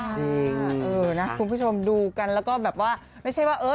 จริงเออนะคุณผู้ชมดูกันแล้วก็แบบว่าไม่ใช่ว่าเออ